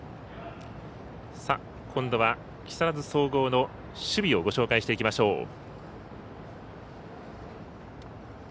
今度は木更津総合の守備をご紹介していきましょう。